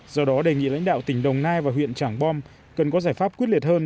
do đó đề nghị lãnh đạo tỉnh đồng nai và huyện trảng bom cần có giải pháp quyết liệt hơn